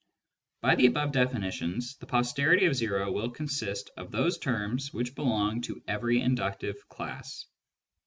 By the above definitions, the posterity of o will consist of those terms which belong to every inductive class.